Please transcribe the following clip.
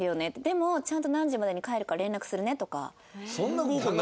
でもちゃんと何時まで帰るから連絡するねとか。